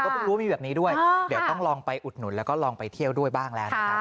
เพิ่งรู้ว่ามีแบบนี้ด้วยเดี๋ยวต้องลองไปอุดหนุนแล้วก็ลองไปเที่ยวด้วยบ้างแล้วนะครับ